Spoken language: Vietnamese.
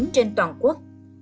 trên toàn quốc